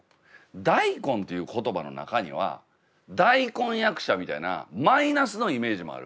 大根っていう言葉の中には大根役者みたいなマイナスのイメージもある。